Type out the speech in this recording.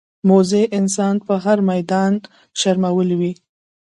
موزي انسان په هر میدان شرمېدلی وي.